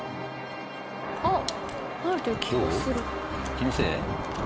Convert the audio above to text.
気のせい？